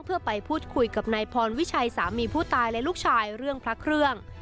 เพื่อไปพูดคุยกับนายพรวิชัยสามีผู้ตายและลูกชายเรื่องพระเครื่อง